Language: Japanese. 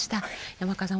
山川さん